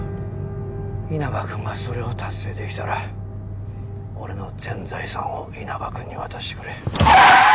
稲葉くんがそれを達成できたら俺の全財産を稲葉くんに渡してくれ。